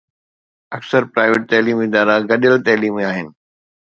اڪثر پرائيويٽ تعليمي ادارا گڏيل تعليمي آهن.